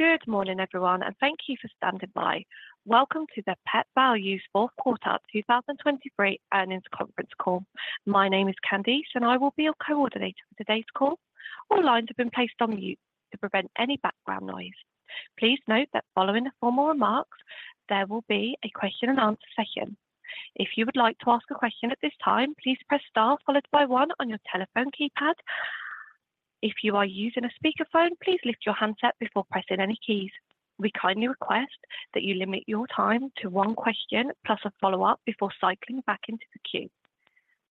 Good morning, everyone, and thank you for standing by. Welcome to the Pet Valu 4th Quarter 2023 Earnings Conference call. My name is Candice, and I will be your coordinator for today's call. All lines have been placed on mute to prevent any background noise. Please note that following the formal remarks, there will be a question-and-answer session. If you would like to ask a question at this time, please press star followed by 1 on your telephone keypad. If you are using a speakerphone, please lift your handset before pressing any keys. We kindly request that you limit your time to one question plus a follow-up before cycling back into the queue,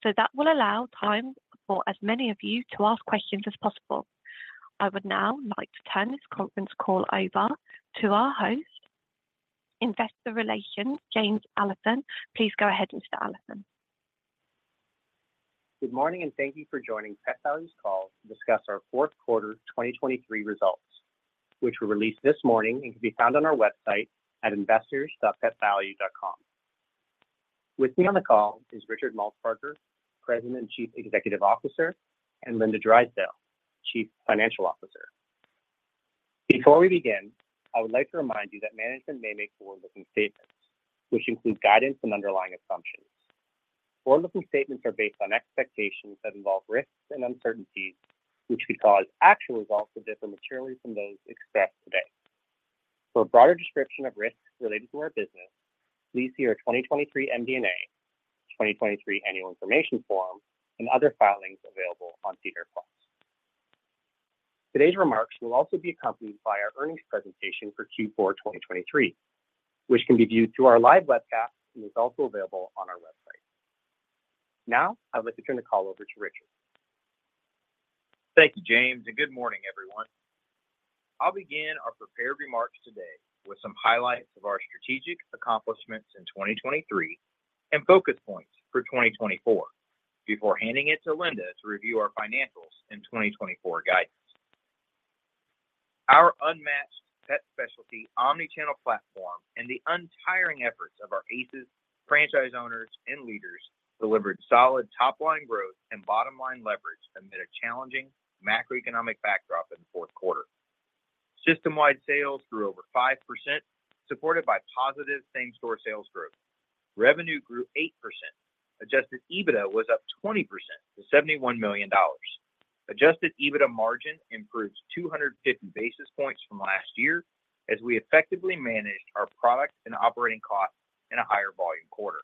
so that will allow time for as many of you to ask questions as possible. I would now like to turn this conference call over to our host, Investor Relations James Allison. Please go ahead, Mr. Allison. Good morning, and thank you for joining Pet Valu’s call to discuss our fourth quarter 2023 results, which were released this morning and can be found on our website at investors.petvalu.com. With me on the call is Richard Maltsbarger, President and Chief Executive Officer, and Glen Macdonald, Chief Financial Officer. Before we begin, I would like to remind you that management may make forward-looking statements, which include guidance and underlying assumptions. Forward-looking statements are based on expectations that involve risks and uncertainties, which could cause actual results to differ materially from those expressed today. For a broader description of risks related to our business, please see our 2023 MD&A, 2023 Annual Information Form, and other filings available on SEDAR+. Today's remarks will also be accompanied by our earnings presentation for Q4 2023, which can be viewed through our live webcast and is also available on our website. Now I'd like to turn the call over to Richard. Thank you, James, and good morning, everyone. I'll begin our prepared remarks today with some highlights of our strategic accomplishments in 2023 and focus points for 2024 before handing it to Glen to review our financials and 2024 guidance. Our unmatched pet specialty omnichannel platform and the untiring efforts of our eaches franchise owners and leaders delivered solid top-line growth and bottom-line leverage amid a challenging macroeconomic backdrop in the 4th quarter. System-wide sales grew over 5%, supported by positive same-store sales growth. Revenue grew 8%. Adjusted EBITDA was up 20% to 71 million dollars. Adjusted EBITDA margin improved 250 basis points from last year as we effectively managed our product and operating costs in a higher volume quarter.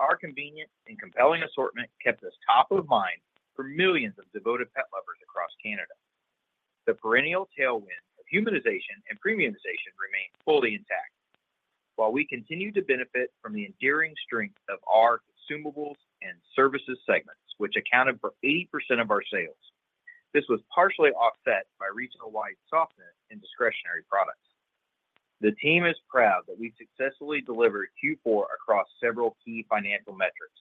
Our convenient and compelling assortment kept us top of mind for millions of devoted pet lovers across Canada. The perennial tailwinds of humanization and premiumization remain fully intact, while we continue to benefit from the enduring strength of our consumables and services segments, which accounted for 80% of our sales. This was partially offset by regional-wide softness in discretionary products. The team is proud that we've successfully delivered Q4 across several key financial metrics.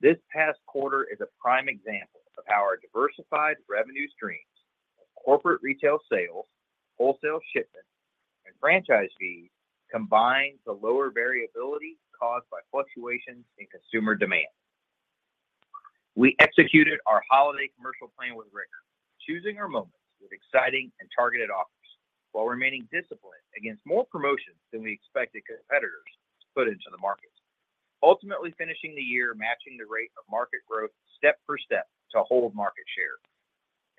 This past quarter is a prime example of how our diversified revenue streams of corporate retail sales, wholesale shipments, and franchise fees combine the lower variability caused by fluctuations in consumer demand. We executed our holiday commercial plan with rigor, choosing our moments with exciting and targeted offers while remaining disciplined against more promotions than we expected competitors to put into the market, ultimately finishing the year matching the rate of market growth step for step to hold market share.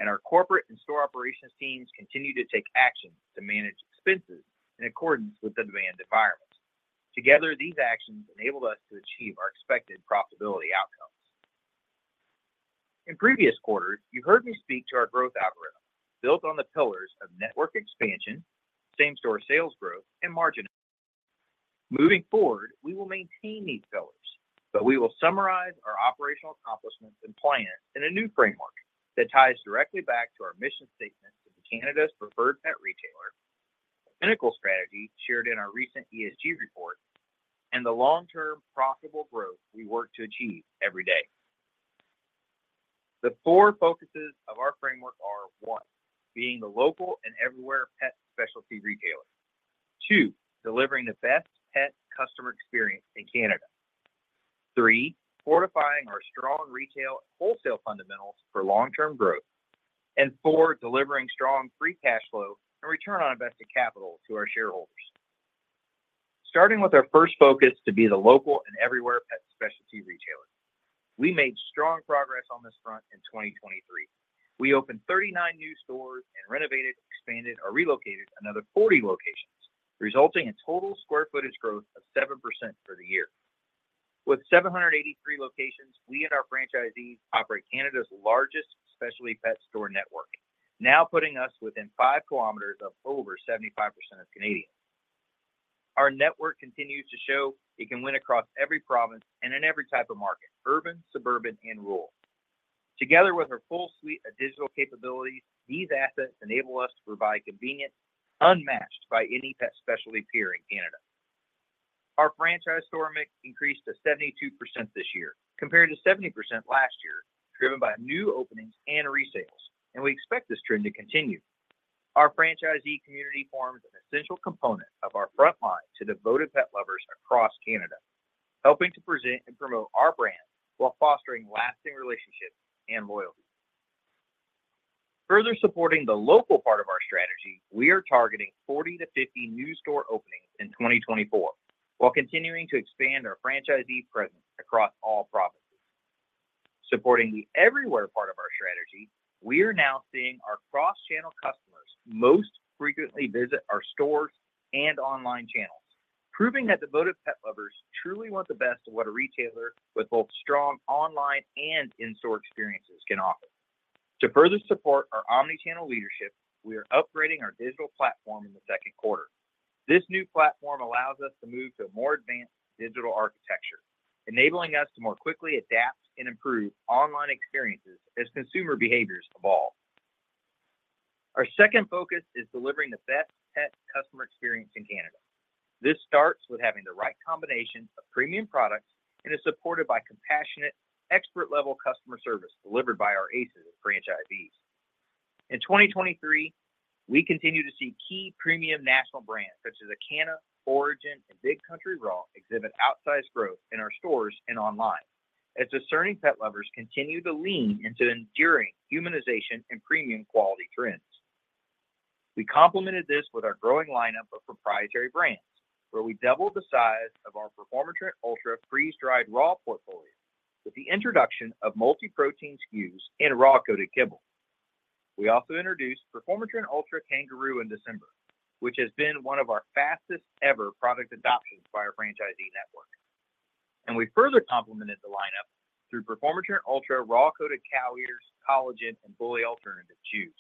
Our corporate and store operations teams continue to take action to manage expenses in accordance with the demand environment. Together, these actions enabled us to achieve our expected profitability outcomes. In previous quarters, you heard me speak to our growth algorithm built on the pillars of network expansion, same-store sales growth, and margin improvement. Moving forward, we will maintain these pillars, but we will summarize our operational accomplishments and plans in a new framework that ties directly back to our mission statement to be Canada's preferred pet retailer, the clinical strategy shared in our recent ESG report, and the long-term profitable growth we work to achieve every day. The four focuses of our framework are: 1) being the local and everywhere pet specialty retailer, 2) delivering the best pet customer experience in Canada, 3) fortifying our strong retail and wholesale fundamentals for long-term growth, and 4) delivering strong free cash flow and return on invested capital to our shareholders. Starting with our first focus to be the local and everywhere pet specialty retailer, we made strong progress on this front in 2023. We opened 39 new stores and renovated, expanded, or relocated another 40 locations, resulting in total square footage growth of 7% for the year. With 783 locations, we and our franchisees operate Canada's largest specialty pet store network, now putting us within five kilometers of over 75% of Canadians. Our network continues to show it can win across every province and in every type of market: urban, suburban, and rural. Together with our full suite of digital capabilities, these assets enable us to provide convenience unmatched by any pet specialty peer in Canada. Our franchise store mix increased to 72% this year, compared to 70% last year, driven by new openings and resales, and we expect this trend to continue. Our franchisee community forms an essential component of our front line to devoted pet lovers across Canada, helping to present and promote our brand while fostering lasting relationships and loyalty. Further supporting the local part of our strategy, we are targeting 40-50 new store openings in 2024 while continuing to expand our franchisee presence across all provinces. Supporting the everywhere part of our strategy, we are now seeing our cross-channel customers most frequently visit our stores and online channels, proving that devoted pet lovers truly want the best of what a retailer with both strong online and in-store experiences can offer. To further support our omnichannel leadership, we are upgrading our digital platform in the second quarter. This new platform allows us to move to a more advanced digital architecture, enabling us to more quickly adapt and improve online experiences as consumer behaviors evolve. Our second focus is delivering the best pet customer experience in Canada. This starts with having the right combination of premium products and is supported by compassionate, expert-level customer service delivered by our ACEs and franchisees. In 2023, we continue to see key premium national brands such as ACANA, ORIJEN, and Big Country Raw exhibit outsized growth in our stores and online as discerning pet lovers continue to lean into enduring humanization and premium quality trends. We complemented this with our growing lineup of proprietary brands, where we doubled the size of our Performatrin Ultra Freeze-Dried Raw portfolio with the introduction of multi-protein chews and raw-coated kibble. We also introduced Performatrin Ultra Kangaroo in December, which has been one of our fastest-ever product adoptions by our franchisee network. We further complemented the lineup through Performatrin Ultra raw-coated cow ears, collagen, and bully alternative chews.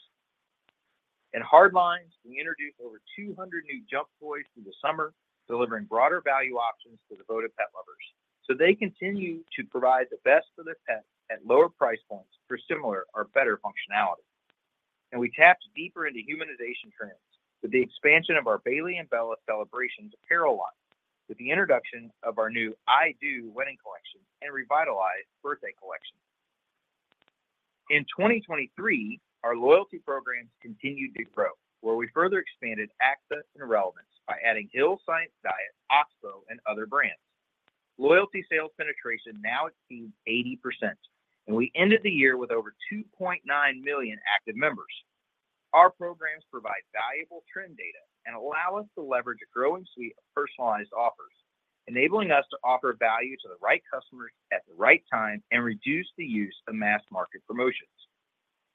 In hardlines, we introduced over 200 new Jump toys through the summer, delivering broader value options to devoted pet lovers so they continue to provide the best for their pets at lower price points for similar or better functionality. We tapped deeper into humanization trends with the expansion of our Bailey & Bella Celebrations apparel line, with the introduction of our new I Do wedding collection and revitalized birthday collections. In 2023, our loyalty programs continued to grow, where we further expanded Access and Relevance by adding Hill's Science Diet, Oxbow, and other brands. Loyalty sales penetration now exceeds 80%, and we ended the year with over 2.9 million active members. Our programs provide valuable trend data and allow us to leverage a growing suite of personalized offers, enabling us to offer value to the right customers at the right time and reduce the use of mass market promotions.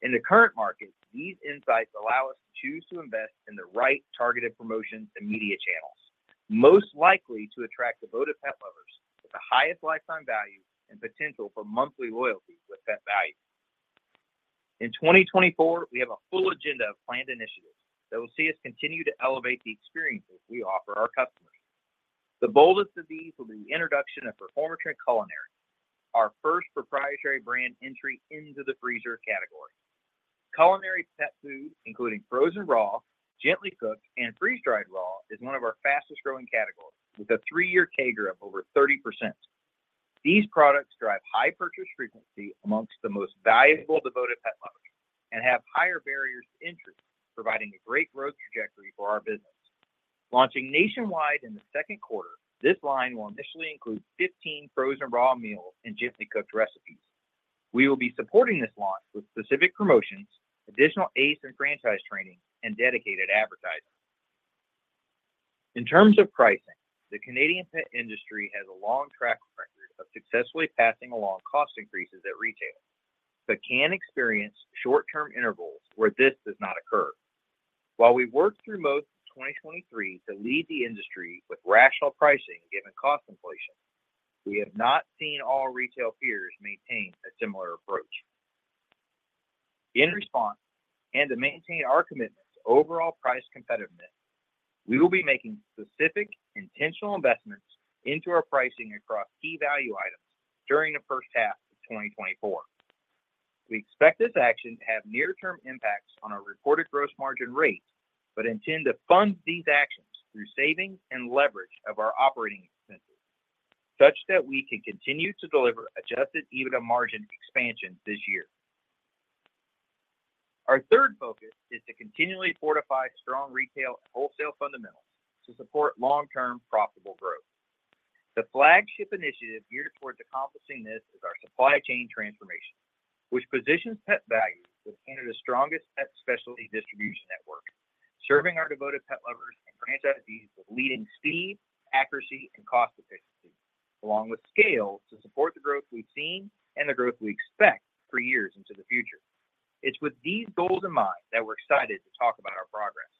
In the current market, these insights allow us to choose to invest in the right targeted promotions and media channels, most likely to attract devoted pet lovers with the highest lifetime value and potential for monthly loyalty with Pet Valu. In 2024, we have a full agenda of planned initiatives that will see us continue to elevate the experiences we offer our customers. The boldest of these will be the introduction of Performatrin Culinary, our first proprietary brand entry into the freezer category. Culinary pet food, including frozen raw, gently cooked, and freeze-dried raw, is one of our fastest-growing categories, with a three-year CAGR of over 30%. These products drive high purchase frequency amongst the most valuable devoted pet lovers and have higher barriers to entry, providing a great growth trajectory for our business. Launching nationwide in the second quarter, this line will initially include 15 frozen raw meals and gently cooked recipes. We will be supporting this launch with specific promotions, additional ACE and franchise training, and dedicated advertising. In terms of pricing, the Canadian pet industry has a long track record of successfully passing along cost increases at retail, but can experience short-term intervals where this does not occur. While we worked through most of 2023 to lead the industry with rational pricing given cost inflation, we have not seen all retail peers maintain a similar approach. In response and to maintain our commitment to overall price competitiveness, we will be making specific, intentional investments into our pricing across key value items during the first half of 2024. We expect this action to have near-term impacts on our reported gross margin rate but intend to fund these actions through savings and leverage of our operating expenses, such that we can continue to deliver adjusted EBITDA margin expansion this year. Our third focus is to continually fortify strong retail and wholesale fundamentals to support long-term profitable growth. The flagship initiative geared towards accomplishing this is our supply chain transformation, which positions Pet Valu with Canada's strongest pet specialty distribution network, serving our devoted pet lovers and franchisees with leading speed, accuracy, and cost efficiency, along with scale to support the growth we've seen and the growth we expect for years into the future. It's with these goals in mind that we're excited to talk about our progress.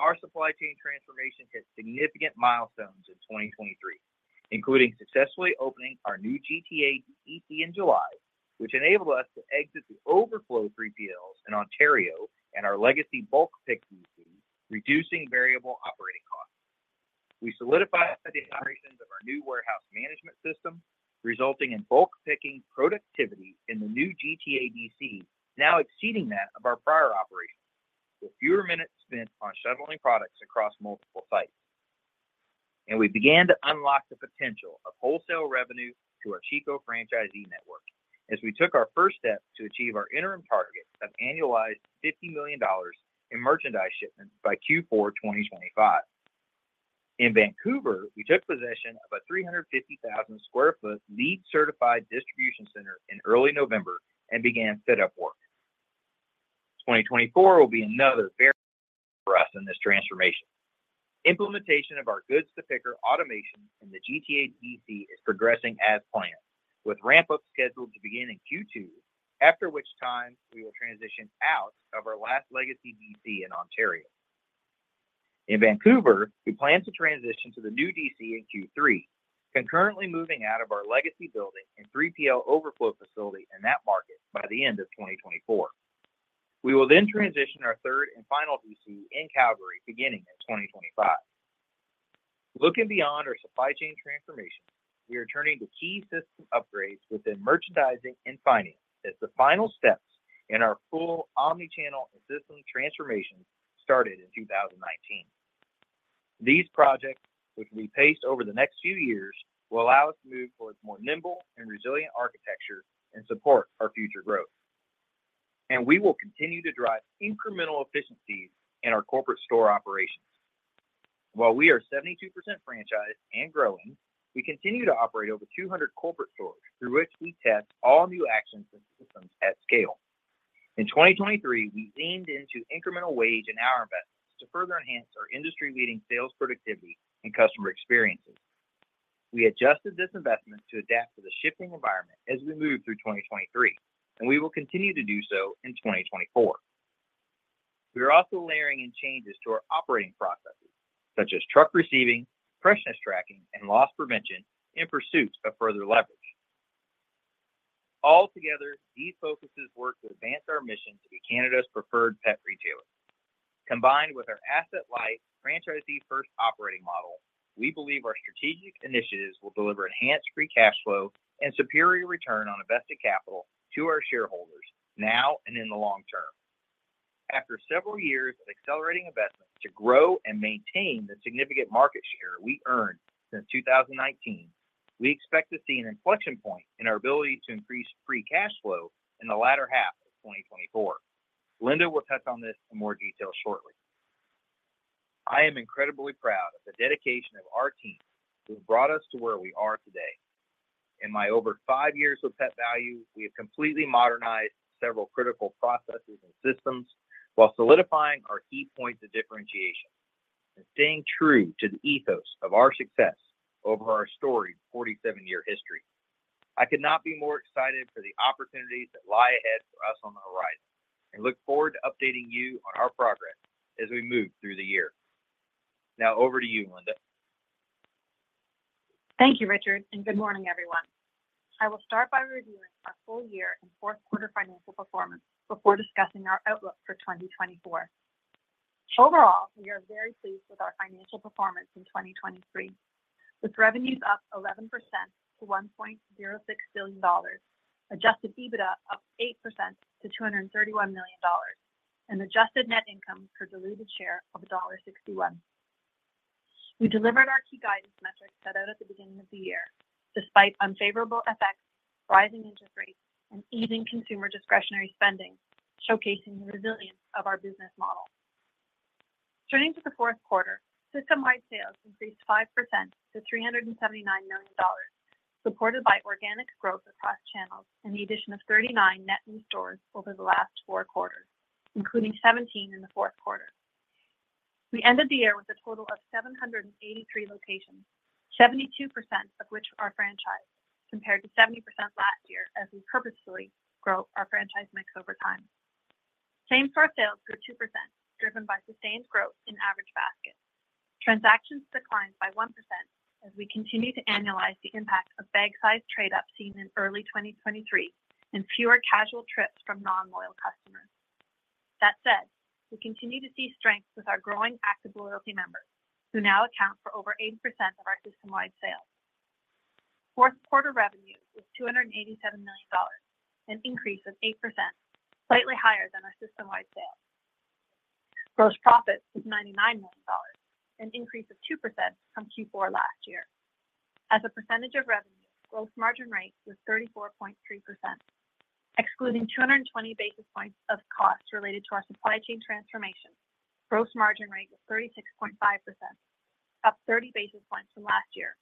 Our supply chain transformation hit significant milestones in 2023, including successfully opening our new GTA DC in July, which enabled us to exit the overflow 3PLs in Ontario and our legacy bulk pick DC, reducing variable operating costs. We solidified the operations of our new warehouse management system, resulting in bulk picking productivity in the new GTA DC now exceeding that of our prior operations, with fewer minutes spent on shuttling products across multiple sites. We began to unlock the potential of wholesale revenue to our Chico franchisee network as we took our first steps to achieve our interim target of annualized 50 million dollars in merchandise shipments by Q4 2025. In Vancouver, we took possession of a 350,000 sq ft LEED-certified distribution center in early November and began setup work. 2024 will be another very important year for us in this transformation. Implementation of our Goods-to-Person automation in the GTA DC is progressing as planned, with ramp-ups scheduled to begin in Q2, after which time we will transition out of our last legacy DC in Ontario. In Vancouver, we plan to transition to the new DC in Q3, concurrently moving out of our legacy building and 3PL overflow facility in that market by the end of 2024. We will then transition our third and final DC in Calgary, beginning in 2025. Looking beyond our supply chain transformation, we are turning to key system upgrades within merchandising and finance as the final steps in our full Omnichannel and systems transformation started in 2019. These projects, which will be paced over the next few years, will allow us to move towards more nimble and resilient architecture and support our future growth. We will continue to drive incremental efficiencies in our corporate store operations. While we are 72% franchised and growing, we continue to operate over 200 corporate stores through which we test all new actions and systems at scale. In 2023, we leaned into incremental wage and hour investments to further enhance our industry-leading sales productivity and customer experiences. We adjusted this investment to adapt to the shifting environment as we move through 2023, and we will continue to do so in 2024. We are also layering in changes to our operating processes, such as truck receiving, perishables tracking, and loss prevention in pursuit of further leverage. Altogether, these focuses work to advance our mission to be Canada's preferred pet retailer. Combined with our Asset-Light franchisee-first operating model, we believe our strategic initiatives will deliver enhanced free cash flow and superior return on invested capital to our shareholders now and in the long term. After several years of accelerating investments to grow and maintain the significant market share we earned since 2019, we expect to see an inflection point in our ability to increase free cash flow in the latter half of 2024. Glen will touch on this in more detail shortly. I am incredibly proud of the dedication of our team who have brought us to where we are today. In my over five years with Pet Valu, we have completely modernized several critical processes and systems while solidifying our key points of differentiation and staying true to the ethos of our success over our storied 47-year history. I could not be more excited for the opportunities that lie ahead for us on the horizon and look forward to updating you on our progress as we move through the year. Now over to you, Glen. Thank you, Richard, and good morning, everyone. I will start by reviewing our full year and fourth-quarter financial performance before discussing our outlook for 2024. Overall, we are very pleased with our financial performance in 2023, with revenues up 11% to 1.06 billion dollars, Adjusted EBITDA up 8% to 231 million dollars, and adjusted net income per diluted share of dollar 1.61. We delivered our key guidance metrics set out at the beginning of the year, despite unfavorable effects, rising interest rates, and easing consumer discretionary spending, showcasing the resilience of our business model. Turning to the fourth quarter, system-wide sales increased 5% to 379 million dollars, supported by organic growth across channels and the addition of 39 net new stores over the last four quarters, including 17 in the fourth quarter. We ended the year with a total of 783 locations, 72% of which are franchised, compared to 70% last year as we purposefully grew our franchise mix over time. Same-store sales grew 2%, driven by sustained growth in average baskets, transactions declined by 1% as we continue to annualize the impact of bag-sized trade-ups seen in early 2023 and fewer casual trips from non-loyal customers. That said, we continue to see strength with our growing active loyalty members, who now account for over 80% of our system-wide sales. Fourth-quarter revenue was 287 million dollars, an increase of 8%, slightly higher than our system-wide sales. Gross profit was 99 million dollars, an increase of 2% from Q4 last year. As a percentage of revenue, gross margin rate was 34.3%. Excluding 220 basis points of cost related to our supply chain transformation, gross margin rate was 36.5%, up 30 basis points from last year,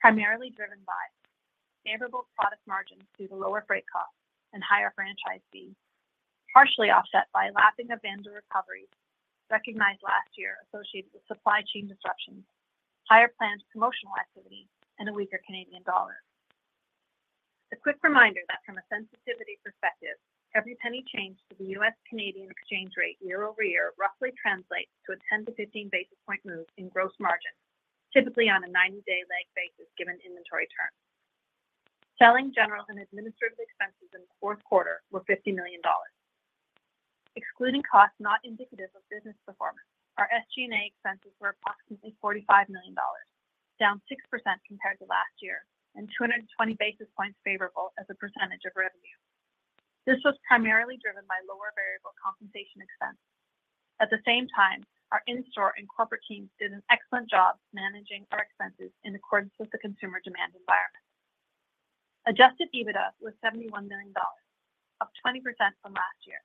primarily driven by favorable product margins due to lower freight costs and higher franchise fees, partially offset by lapping of vendor recoveries recognized last year associated with supply chain disruptions, higher planned promotional activity, and a weaker Canadian dollar. A quick reminder that from a sensitivity perspective, every penny changed to the US-Canadian exchange rate year over year roughly translates to a 10 to 15 basis point move in gross margin, typically on a 90-day leg basis given inventory terms. Selling general and administrative expenses in the fourth quarter were 50 million dollars. Excluding costs not indicative of business performance, our SG&A expenses were approximately 45 million dollars, down 6% compared to last year and 220 basis points favorable as a percentage of revenue. This was primarily driven by lower variable compensation expenses. At the same time, our in-store and corporate teams did an excellent job managing our expenses in accordance with the consumer demand environment. Adjusted EBITDA was 71 million dollars, up 20% from last year.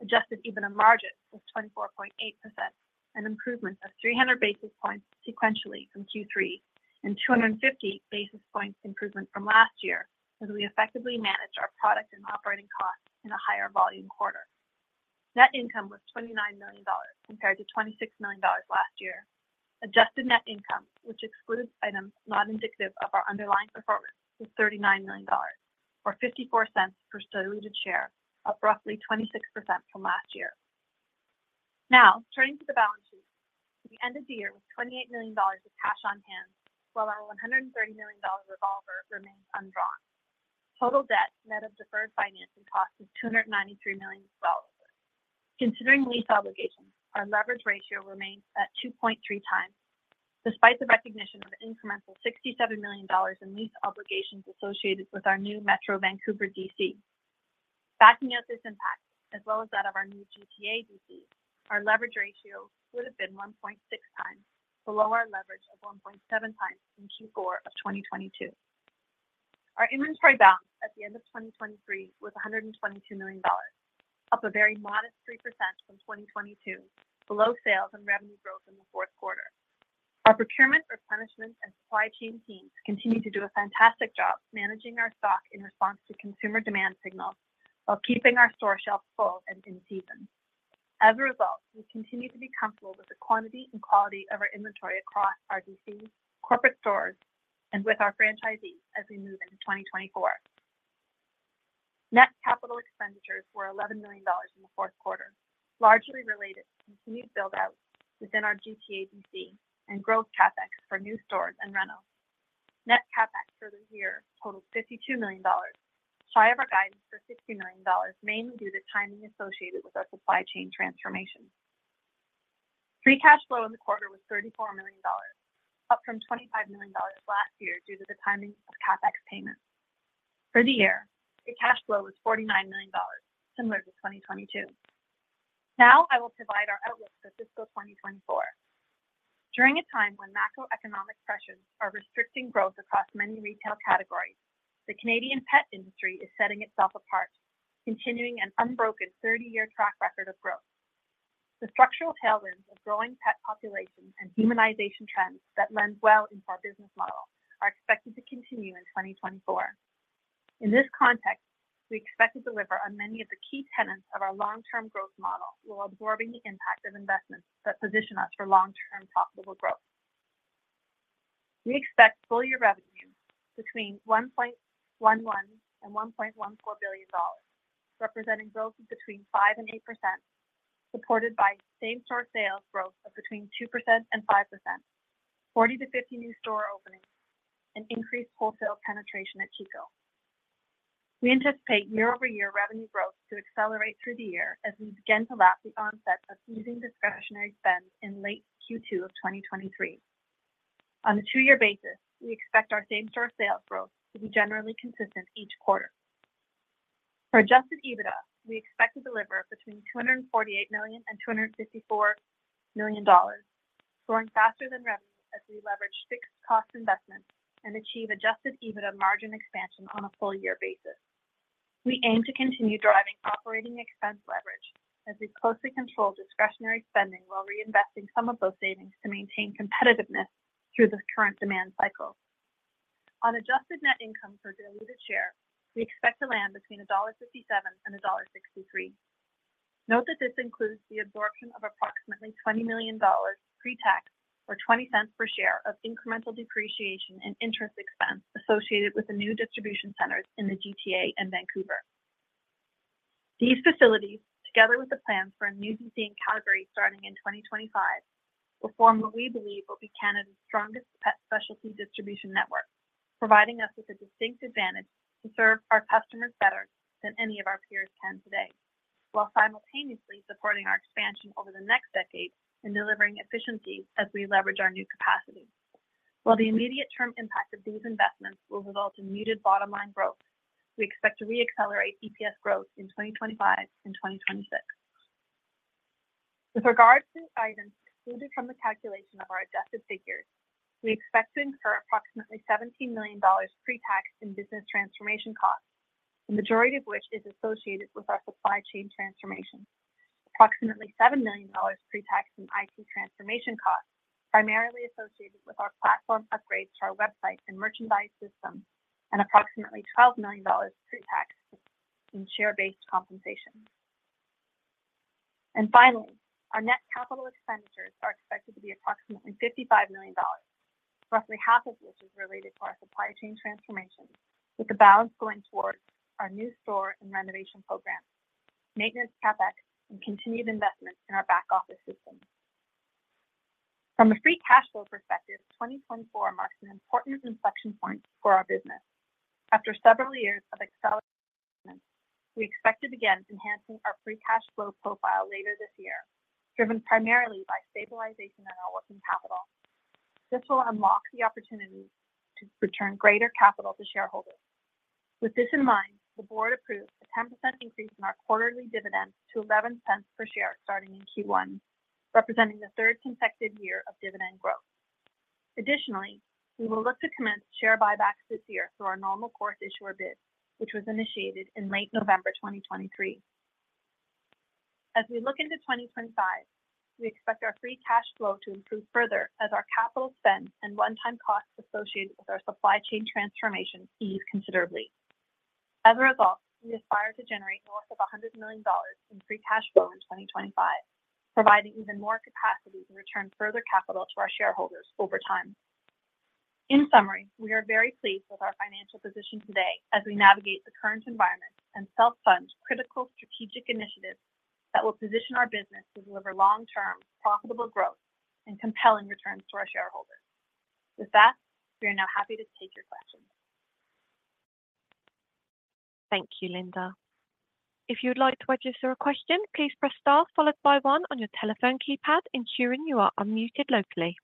Adjusted EBITDA margin was 24.8%, an improvement of 300 basis points sequentially from Q3 and 250 basis points improvement from last year as we effectively managed our product and operating costs in a higher volume quarter. Net income was 29 million dollars compared to 26 million dollars last year. Adjusted net income, which excludes items not indicative of our underlying performance, was 39 million dollars, or 0.54 per diluted share, up roughly 26% from last year. Now, turning to the balance sheet, we ended the year with 28 million dollars of cash on hand while our 130 million dollar revolver remains undrawn. Total debt net of deferred financing cost is 293 million dollars. Considering lease obligations, our leverage ratio remains at 2.3x, despite the recognition of an incremental 67 million dollars in lease obligations associated with our new Metro Vancouver DC. Backing out this impact, as well as that of our new GTA DC, our leverage ratio would have been 1.6x, below our leverage of 1.7x in Q4 of 2022. Our inventory balance at the end of 2023 was 122 million dollars, up a very modest 3% from 2022, below sales and revenue growth in the fourth quarter. Our procurement, replenishment, and supply chain teams continue to do a fantastic job managing our stock in response to consumer demand signals while keeping our store shelves full and in season. As a result, we continue to be comfortable with the quantity and quality of our inventory across our DC, corporate stores, and with our franchisees as we move into 2024. Net capital expenditures were 11 million dollars in the fourth quarter, largely related to continued buildouts within our GTA DC and growth CapEx for new stores and rentals. Net CapEx for the year totaled 52 million dollars, shy of our guidance for 60 million dollars, mainly due to timing associated with our supply chain transformation. Free cash flow in the quarter was 34 million dollars, up from 25 million dollars last year due to the timing of CapEx payments. For the year, free cash flow was 49 million dollars, similar to 2022. Now I will provide our outlook for fiscal 2024. During a time when macroeconomic pressures are restricting growth across many retail categories, the Canadian pet industry is setting itself apart, continuing an unbroken 30-year track record of growth. The structural tailwinds of growing pet population and humanization trends that lend well into our business model are expected to continue in 2024. In this context, we expect to deliver on many of the key tenets of our long-term growth model while absorbing the impact of investments that position us for long-term profitable growth. We expect full-year revenue between 1.11 billion and 1.14 billion dollars, representing growth of between 5% and 8%, supported by same-store sales growth of between 2% and 5%, 40-50 new store openings, and increased wholesale penetration at Chico. We anticipate year-over-year revenue growth to accelerate through the year as we begin to lap the onset of easing discretionary spend in late Q2 of 2023. On a two-year basis, we expect our same-store sales growth to be generally consistent each quarter. For Adjusted EBITDA, we expect to deliver between 248 million and 254 million dollars, growing faster than revenue as we leverage fixed cost investments and achieve Adjusted EBITDA margin expansion on a full-year basis. We aim to continue driving operating expense leverage as we closely control discretionary spending while reinvesting some of those savings to maintain competitiveness through the current demand cycle. On adjusted net income per diluted share, we expect to land between dollar 1.57 and dollar 1.63. Note that this includes the absorption of approximately 20 million dollars pre-tax, or 0.20 per share, of incremental depreciation and interest expense associated with the new distribution centers in the GTA and Vancouver. These facilities, together with the plans for a new DC in Calgary starting in 2025, will form what we believe will be Canada's strongest pet specialty distribution network, providing us with a distinct advantage to serve our customers better than any of our peers can today, while simultaneously supporting our expansion over the next decade and delivering efficiencies as we leverage our new capacity. While the immediate-term impact of these investments will result in muted bottom-line growth, we expect to reaccelerate EPS growth in 2025 and 2026. With regard to items excluded from the calculation of our adjusted figures, we expect to incur approximately 17 million dollars pre-tax in business transformation costs, the majority of which is associated with our supply chain transformation, approximately 7 million dollars pre-tax in IT transformation costs primarily associated with our platform upgrades to our website and merchandise systems, and approximately 12 million dollars pre-tax in share-based compensation. Finally, our net capital expenditures are expected to be approximately 55 million dollars, roughly half of which is related to our supply chain transformation, with the balance going towards our new store and renovation programs, maintenance CapEx, and continued investments in our back-office systems. From a free cash flow perspective, 2024 marks an important inflection point for our business. After several years of acceleration, we expected again enhancing our free cash flow profile later this year, driven primarily by stabilization in our working capital. This will unlock the opportunity to return greater capital to shareholders. With this in mind, the board approved a 10% increase in our quarterly dividend to 0.11 per share starting in Q1, representing the third consecutive year of dividend growth. Additionally, we will look to commence share buybacks this year through our normal course issuer bid, which was initiated in late November 2023. As we look into 2025, we expect our free cash flow to improve further as our capital spend and one-time costs associated with our supply chain transformation ease considerably. As a result, we aspire to generate north of 100 million dollars in free cash flow in 2025, providing even more capacity to return further capital to our shareholders over time. In summary, we are very pleased with our financial position today as we navigate the current environment and self-fund critical strategic initiatives that will position our business to deliver long-term, profitable growth and compelling returns to our shareholders. With that, we are now happy to take your questions. Thank you, Linda. If you would like to register a question, please press star followed by 1 on your telephone keypad ensuring you are unmuted locally.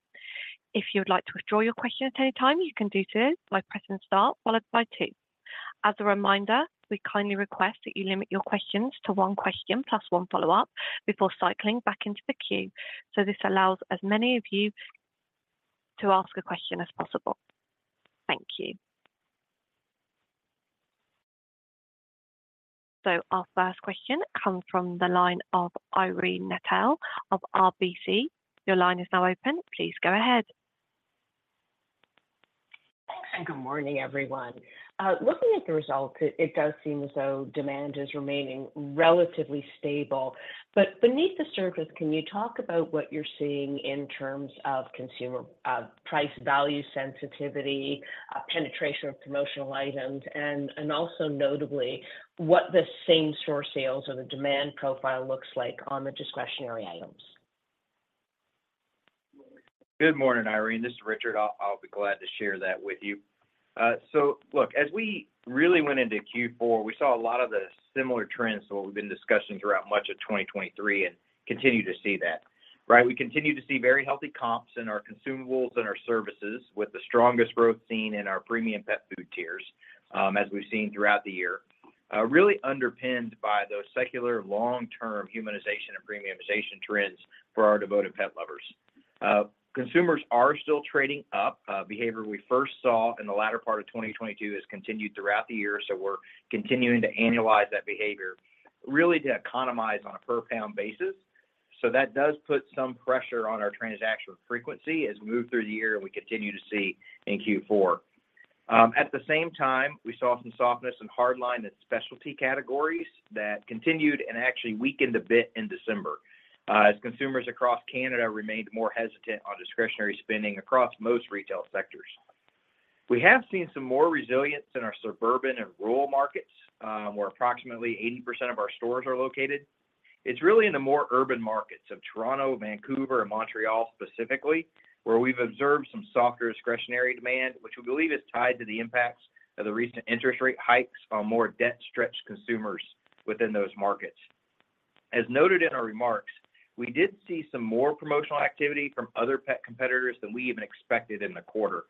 If you would like to withdraw your question at any time, you can do so by pressing star followed by 2. As a reminder, we kindly request that you limit your questions to one question plus one follow-up before cycling back into the queue, so this allows as many of you to ask a question as possible. Thank you. Our first question comes from the line of Irene Nattel of RBC. Your line is now open. Please go ahead. Thanks, and good morning, everyone. Looking at the results, it does seem as though demand is remaining relatively stable. But beneath the surface, can you talk about what you're seeing in terms of consumer price-value sensitivity, penetration of promotional items, and also notably what the same-store sales or the demand profile looks like on the discretionary items? Good morning, Irene. This is Richard. I'll be glad to share that with you. So look, as we really went into Q4, we saw a lot of the similar trends to what we've been discussing throughout much of 2023 and continue to see that, right? We continue to see very healthy comps in our consumables and our services, with the strongest growth seen in our premium pet food tiers as we've seen throughout the year, really underpinned by those secular, long-term humanization and premiumization trends for our devoted pet lovers. Consumers are still trading up. Behavior we first saw in the latter part of 2022 has continued throughout the year, so we're continuing to analyze that behavior really to economize on a per-pound basis. So that does put some pressure on our transactional frequency as we move through the year and we continue to see in Q4. At the same time, we saw some softness in hardlines in specialty categories that continued and actually weakened a bit in December as consumers across Canada remained more hesitant on discretionary spending across most retail sectors. We have seen some more resilience in our suburban and rural markets, where approximately 80% of our stores are located. It's really in the more urban markets of Toronto, Vancouver, and Montreal specifically where we've observed some softer discretionary demand, which we believe is tied to the impacts of the recent interest rate hikes on more debt-stretched consumers within those markets. As noted in our remarks, we did see some more promotional activity from other pet competitors than we even expected in the quarter.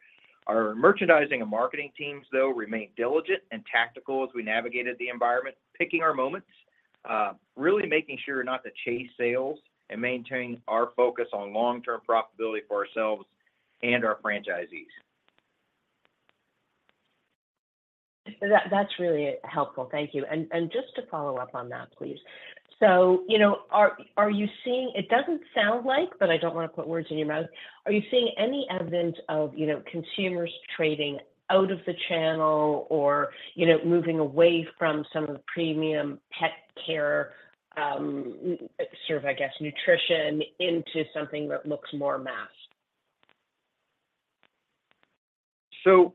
Our merchandising and marketing teams, though, remained diligent and tactical as we navigated the environment, picking our moments, really making sure not to chase sales and maintaining our focus on long-term profitability for ourselves and our franchisees. That's really helpful. Thank you. Just to follow up on that, please. So, are you seeing it? It doesn't sound like, but I don't want to put words in your mouth. Are you seeing any evidence of consumers trading out of the channel or moving away from some of the premium pet care sort of, I guess, nutrition into something that looks more mass? So,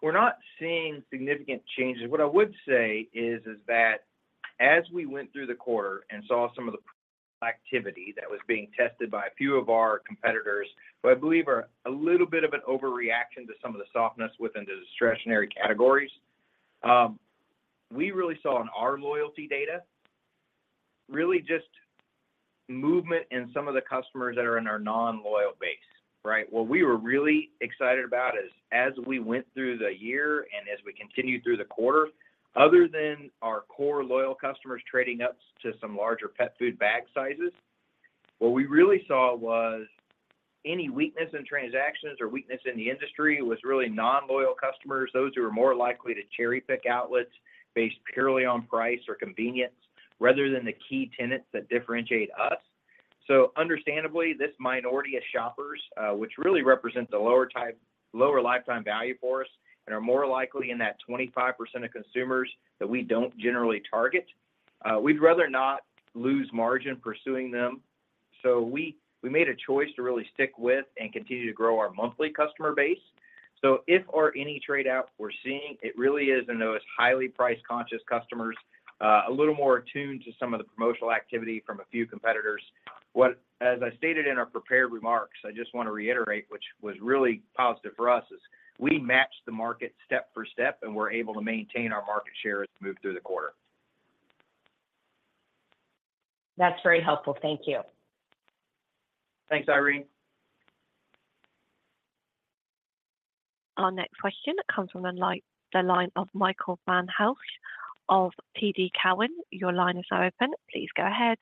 we're not seeing significant changes. What I would say is that as we went through the quarter and saw some of the activity that was being tested by a few of our competitors, what I believe are a little bit of an overreaction to some of the softness within the discretionary categories, we really saw in our loyalty data really just movement in some of the customers that are in our non-loyal base, right? What we were really excited about is as we went through the year and as we continue through the quarter, other than our core loyal customers trading up to some larger pet food bag sizes, what we really saw was any weakness in transactions or weakness in the industry was really non-loyal customers, those who are more likely to cherry-pick outlets based purely on price or convenience rather than the key tenets that differentiate us. So understandably, this minority of shoppers, which really represents a lower lifetime value for us and are more likely in that 25% of consumers that we don't generally target, we'd rather not lose margin pursuing them. So we made a choice to really stick with and continue to grow our monthly customer base. So if or any tradeout we're seeing, it really is in those highly price-conscious customers, a little more attuned to some of the promotional activity from a few competitors. As I stated in our prepared remarks, I just want to reiterate, which was really positive for us, is we matched the market step for step, and we're able to maintain our market share as we move through the quarter. That's very helpful. Thank you. Thanks, Irene. Our next question comes from the line of Michael Van Aelst of TD Cowen. Your line is now open. Please go ahead.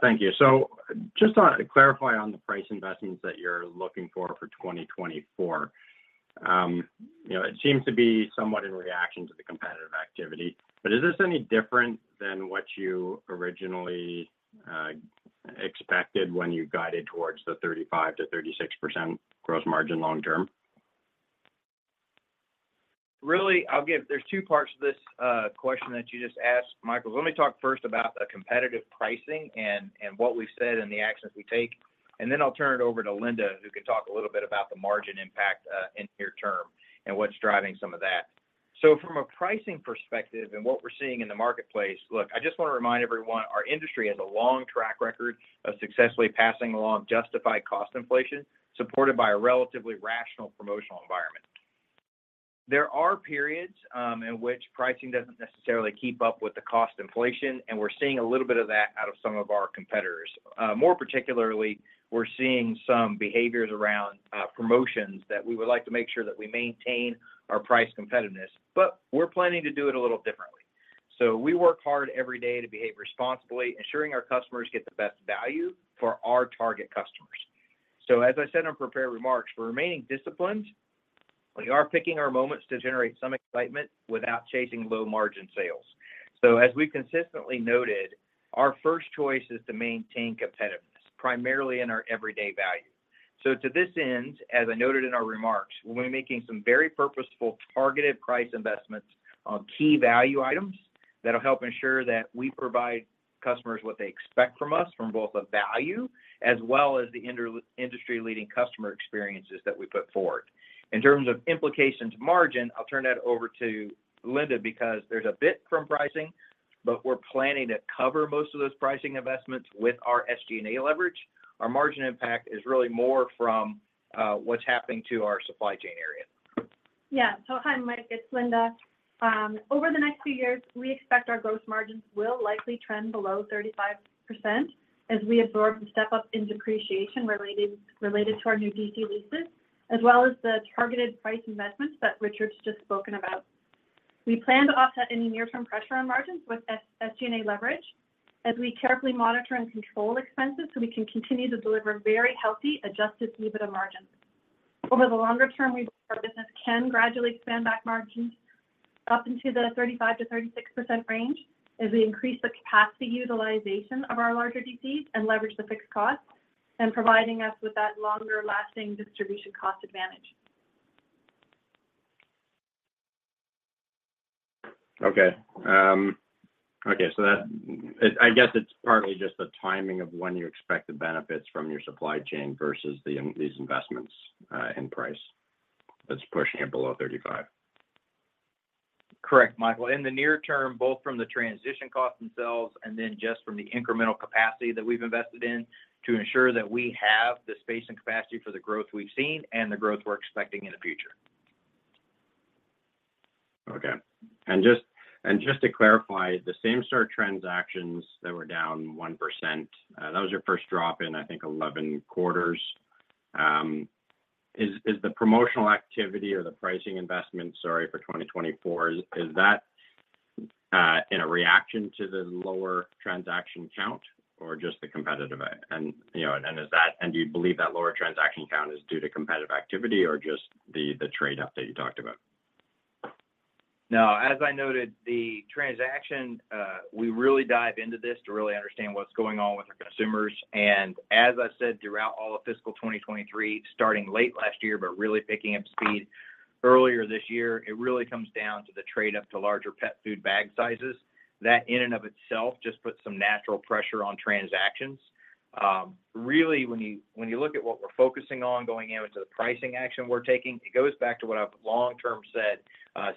Thank you. So just to clarify on the price investments that you're looking for for 2024, it seems to be somewhat in reaction to the competitive activity. But is this any different than what you originally expected when you guided towards the 35%-36% gross margin long-term? Really, there's two parts to this question that you just asked, Michael. Let me talk first about the competitive pricing and what we've said and the actions we take. And then I'll turn it over to Linda, who can talk a little bit about the margin impact in near-term and what's driving some of that. So from a pricing perspective and what we're seeing in the marketplace, look, I just want to remind everyone, our industry has a long track record of successfully passing along justified cost inflation supported by a relatively rational promotional environment. There are periods in which pricing doesn't necessarily keep up with the cost inflation, and we're seeing a little bit of that out of some of our competitors. More particularly, we're seeing some behaviors around promotions that we would like to make sure that we maintain our price competitiveness, but we're planning to do it a little differently. So we work hard every day to behave responsibly, ensuring our customers get the best value for our target customers. So as I said in our prepared remarks, we're remaining disciplined. We are picking our moments to generate some excitement without chasing low-margin sales. So as we've consistently noted, our first choice is to maintain competitiveness primarily in our everyday value. So to this end, as I noted in our remarks, we'll be making some very purposeful, targeted price investments on key value items that will help ensure that we provide customers what they expect from us from both the value as well as the industry-leading customer experiences that we put forward. In terms of implications to margin, I'll turn that over to Linda because there's a bit from pricing, but we're planning to cover most of those pricing investments with our SG&A leverage. Our margin impact is really more from what's happening to our supply chain area. Yeah. So hi, Mike. It's Linda. Over the next few years, we expect our gross margins will likely trend below 35% as we absorb the step-up in depreciation related to our new DC leases as well as the targeted price investments that Richard's just spoken about. We plan to offset any near-term pressure on margins with SG&A leverage as we carefully monitor and control expenses so we can continue to deliver very healthy, adjusted EBITDA margins. Over the longer term, we believe our business can gradually expand back margins up into the 35%-36% range as we increase the capacity utilization of our larger DCs and leverage the fixed costs and providing us with that longer-lasting distribution cost advantage. Okay. Okay. So I guess it's partly just the timing of when you expect the benefits from your supply chain versus these investments in price that's pushing it below 35%. Correct, Michael. In the near term, both from the transition costs themselves and then just from the incremental capacity that we've invested in to ensure that we have the space and capacity for the growth we've seen and the growth we're expecting in the future. Okay. And just to clarify, the same-store transactions that were down 1%, that was your first drop in, I think, 11 quarters. Is the promotional activity or the pricing investment, sorry, for 2024, in a reaction to the lower transaction count or just the competitive? And do you believe that lower transaction count is due to competitive activity or just the trade-up that you talked about? Now, as I noted, we really dive into this to really understand what's going on with our consumers. And as I've said throughout all of fiscal 2023, starting late last year but really picking up speed earlier this year, it really comes down to the trade-up to larger pet food bag sizes. That in and of itself just puts some natural pressure on transactions. Really, when you look at what we're focusing on going into the pricing action we're taking, it goes back to what I've long-term said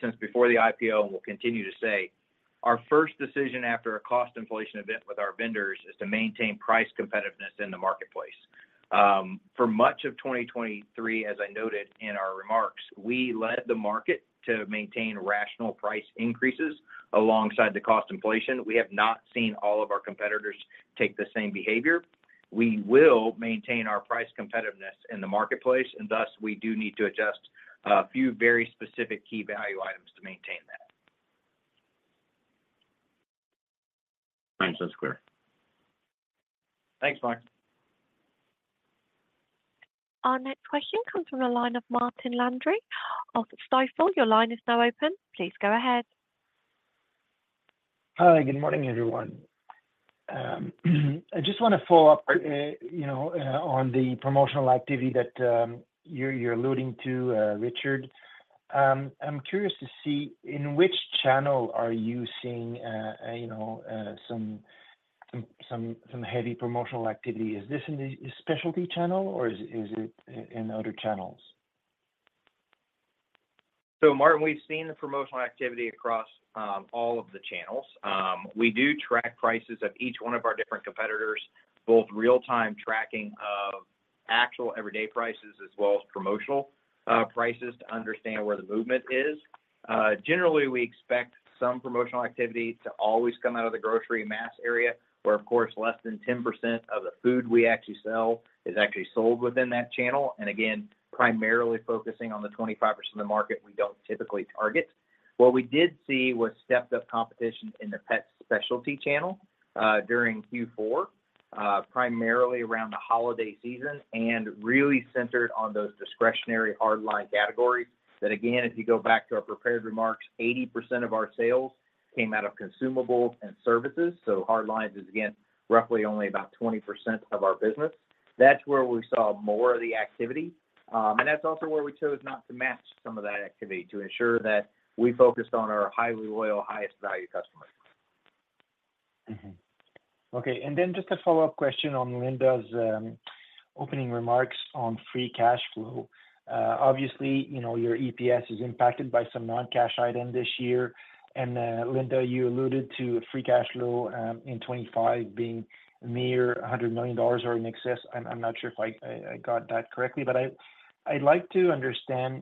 since before the IPO and will continue to say. Our first decision after a cost inflation event with our vendors is to maintain price competitiveness in the marketplace. For much of 2023, as I noted in our remarks, we led the market to maintain rational price increases alongside the cost inflation. We have not seen all of our competitors take the same behavior. We will maintain our price competitiveness in the marketplace, and thus, we do need to adjust a few very specific key value items to maintain that. I'm just clear. Thanks, Mike. Our next question comes from the line of Martin Landry of Stifel. Your line is now open. Please go ahead. Hi. Good morning, everyone. I just want to follow up on the promotional activity that you're alluding to, Richard. I'm curious to see in which channel are you seeing some heavy promotional activity? Is this in the specialty channel, or is it in other channels? So Martin, we've seen the promotional activity across all of the channels. We do track prices of each one of our different competitors, both real-time tracking of actual everyday prices as well as promotional prices to understand where the movement is. Generally, we expect some promotional activity to always come out of the grocery mass area where, of course, less than 10% of the food we actually sell is actually sold within that channel. And again, primarily focusing on the 25% of the market we don't typically target. What we did see was stepped-up competition in the pet specialty channel during Q4, primarily around the holiday season and really centered on those discretionary hardlines categories that, again, if you go back to our prepared remarks, 80% of our sales came out of consumables and services. So hardlines is, again, roughly only about 20% of our business. That's where we saw more of the activity. That's also where we chose not to match some of that activity to ensure that we focused on our highly loyal, highest-value customers. Okay. Then just a follow-up question on Glen's opening remarks on free cash flow. Obviously, your EPS is impacted by some non-cash item this year. And Glen, you alluded to free cash flow in 2025 being near 100 million dollars or in excess. I'm not sure if I got that correctly, but I'd like to understand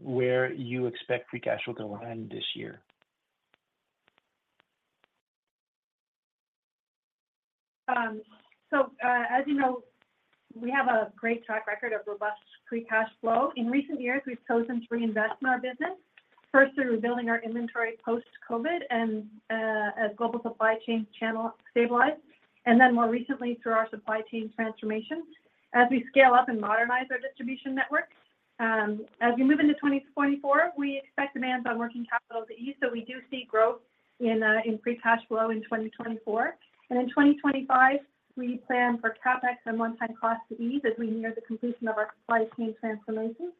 where you expect free cash flow to land this year. So as you know, we have a great track record of robust free cash flow. In recent years, we've chosen to reinvest in our business, first through rebuilding our inventory post-COVID and as global supply chain stabilized, and then more recently through our supply chain transformation as we scale up and modernize our distribution network. As we move into 2024, we expect demand on working capital to ease. So we do see growth in free cash flow in 2024. And in 2025, we plan for CapEx and one-time costs to ease as we near the completion of our supply chain transformation.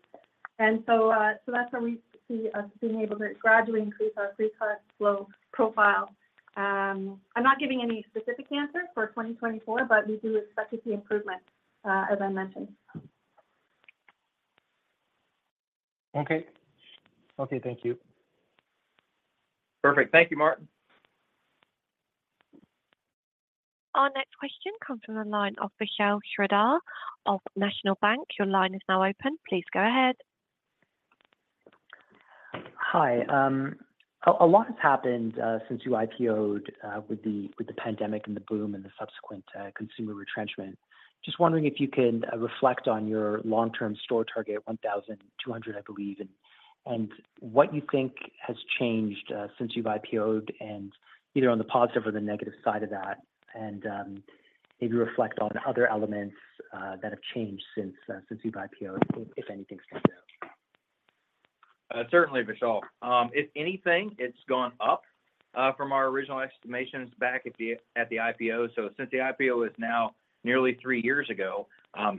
And so that's where we see us being able to gradually increase our free cash flow profile. I'm not giving any specific answer for 2024, but we do expect to see improvement, as I mentioned. Okay. Okay. Thank you. Perfect. Thank you, Martin. Our next question comes from the line of Vishal Shreedhar of National Bank Financial. Your line is now open. Please go ahead. Hi. A lot has happened since you IPOed with the pandemic and the boom and the subsequent consumer retrenchment. Just wondering if you can reflect on your long-term store target, 1,200, I believe, and what you think has changed since you've IPOed and either on the positive or the negative side of that and maybe reflect on other elements that have changed since you've IPOed, if anything stands out? Certainly, Vishal. If anything, it's gone up from our original estimations back at the IPO. So since the IPO is now nearly three years ago,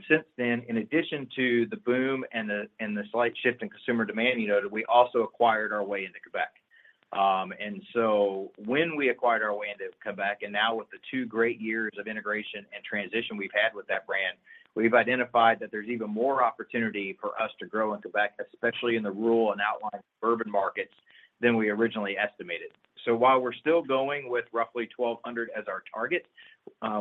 since then, in addition to the boom and the slight shift in consumer demand, we also acquired our way into Quebec. So when we acquired our way into Quebec and now with the two great years of integration and transition we've had with that brand, we've identified that there's even more opportunity for us to grow in Quebec, especially in the rural and outlying suburban markets than we originally estimated. So while we're still going with roughly 1,200 as our target,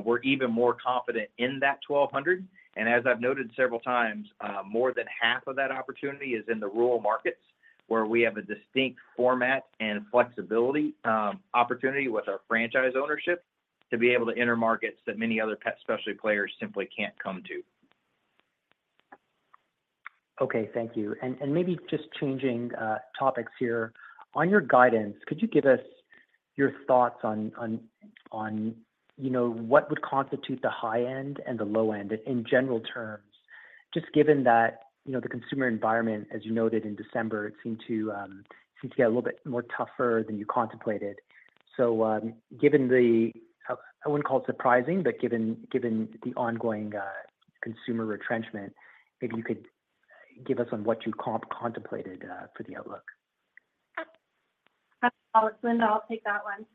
we're even more confident in that 1,200. As I've noted several times, more than half of that opportunity is in the rural markets where we have a distinct format and flexibility opportunity with our franchise ownership to be able to enter markets that many other pet specialty players simply can't come to. Okay. Thank you. Maybe just changing topics here, on your guidance, could you give us your thoughts on what would constitute the high end and the low end in general terms, just given that the consumer environment, as you noted in December, it seemed to get a little bit more tougher than you contemplated. So given the I wouldn't call it surprising, but given the ongoing consumer retrenchment, maybe you could give us on what you contemplated for the outlook. Glen, I'll take that one.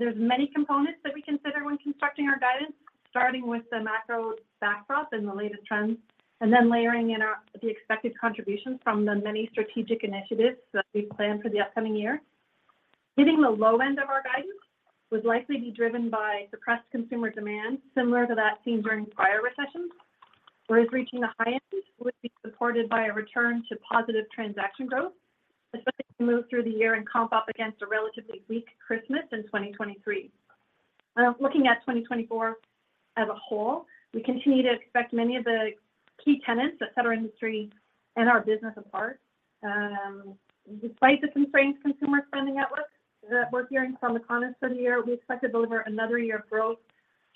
There's many components that we consider when constructing our guidance, starting with the macro backdrop and the latest trends and then layering in the expected contributions from the many strategic initiatives that we plan for the upcoming year. Hitting the low end of our guidance would likely be driven by suppressed consumer demand similar to that seen during prior recessions, whereas reaching the high end would be supported by a return to positive transaction growth, especially if we move through the year and comp up against a relatively weak Christmas in 2023. Looking at 2024 as a whole, we continue to expect many of the key tenets that set our industry and our business apart, despite the constrained consumer spending outlook that we're hearing from economists for the year, we expect to deliver another year of growth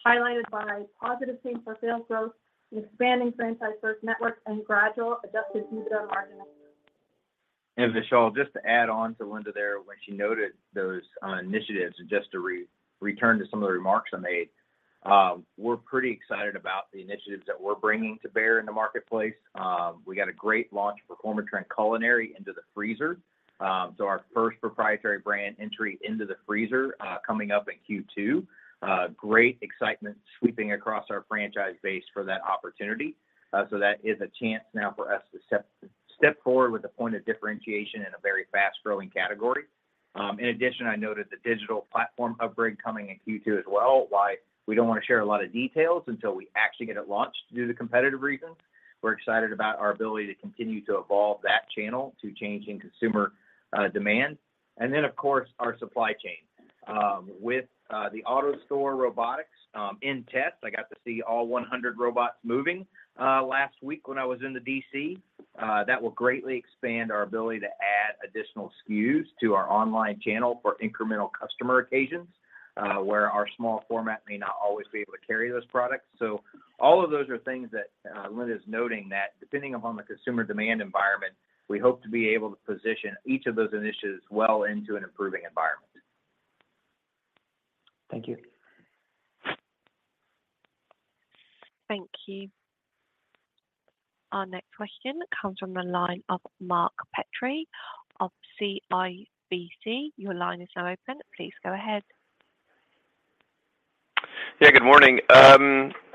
highlighted by positive same-store sales growth, an expanding franchise-first network, and gradual Adjusted EBITDA margins. Vishal, just to add on to Glen there when he noted those initiatives and just to return to some of the remarks I made, we're pretty excited about the initiatives that we're bringing to bear in the marketplace. We got a great launch of Performatrin Culinary into the freezer. So our first proprietary brand entry into the freezer coming up in Q2. Great excitement sweeping across our franchise base for that opportunity. So that is a chance now for us to step forward with a point of differentiation in a very fast-growing category. In addition, I noted the digital platform upgrade coming in Q2 as well, why we don't want to share a lot of details until we actually get it launched due to competitive reasons. We're excited about our ability to continue to evolve that channel to change in consumer demand. And then, of course, our supply chain. With the AutoStore robotics in test, I got to see all 100 robots moving last week when I was in the DC. That will greatly expand our ability to add additional SKUs to our online channel for incremental customer occasions where our small format may not always be able to carry those products. So all of those are things that Linda is noting that depending upon the consumer demand environment, we hope to be able to position each of those initiatives well into an improving environment. Thank you. Thank you. Our next question comes from the line of Mark Petrie of CIBC. Your line is now open. Please go ahead. Yeah. Good morning.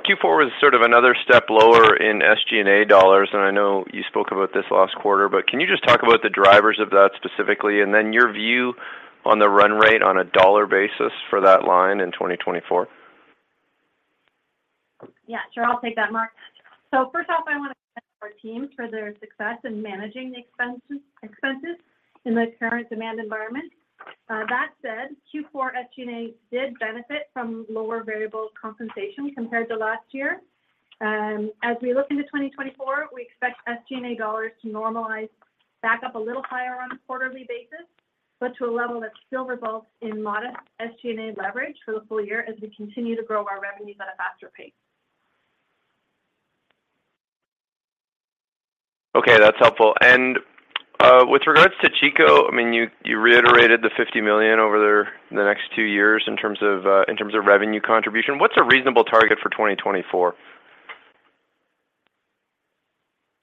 Q4 was sort of another step lower in SG&A dollars, and I know you spoke about this last quarter, but can you just talk about the drivers of that specifically and then your view on the run rate on a dollar basis for that line in 2024? Yeah. Sure. I'll take that, Mark. So first off, I want to thank our teams for their success in managing the expenses in the current demand environment. That said, Q4 SG&A did benefit from lower variable compensation compared to last year. As we look into 2024, we expect SG&A dollars to normalize, back up a little higher on a quarterly basis, but to a level that still results in modest SG&A leverage for the full year as we continue to grow our revenues at a faster pace. Okay. That's helpful. With regards to Chico, I mean, you reiterated the 50 million over the next two years in terms of revenue contribution. What's a reasonable target for 2024?